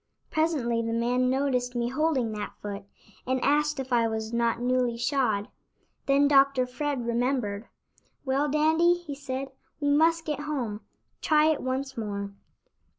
Presently the man noticed me holding that foot, and asked if I was not newly shod. Then Dr. Fred remembered. "Well, Dandy," he said, "we must get home. Try it once more."